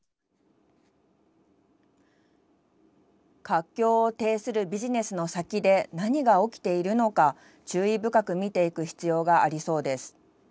活況を呈するビジネスの先で何が起きているのか注意深く見ていく必要がありそうです。